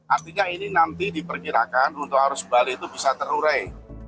artinya ini nanti diperkirakan untuk arus balik itu bisa terurai